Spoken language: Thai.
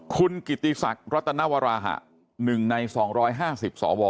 คุณกิติศักดิ์รัตนวราหะ๑ใน๒๕๐สว